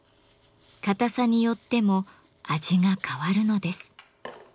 硬さによっても味が変わるのです。